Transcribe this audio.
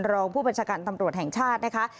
รองผู้บัญชาการตำรวจแห่งชาตินะคะ